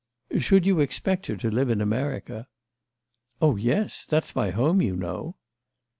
"Should you expect her to live in America?" "Oh yes. That's my home, you know."